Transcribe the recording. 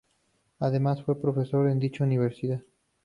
Además, fue profesor en dicha universidad.